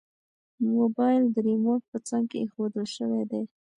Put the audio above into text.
موبایل د ریموټ په څنګ کې ایښودل شوی دی.